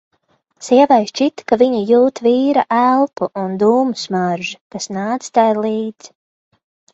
Sievai šķita, ka viņa jūt vīra elpu un dūmu smaržu, kas nāca tai līdz.